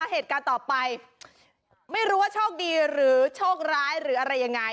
เหตุการณ์ต่อไปไม่รู้ว่าโชคดีหรือโชคร้ายหรืออะไรยังไง